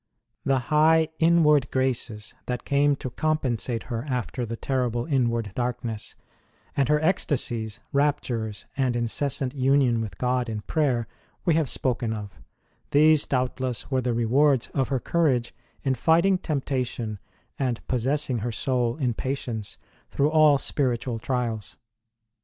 The high inward graces that came to compensate her after the terrible inward darkness, and her ecstasies, raptures, and incessant union with God in prayer we have spoken of : these, doubtless, were the rewards of her courage in fighting temptation and possessing her soul in patience through all spiritual trials.